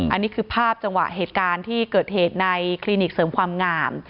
อันนี้คือภาพจังหวะเหตุการณ์ที่เกิดเหตุในคลินิกเสริมความงาม